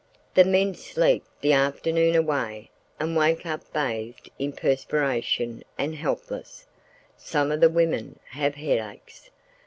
The men sleep the afternoon away and wake up bathed in perspiration and helpless; some of the women have headaches.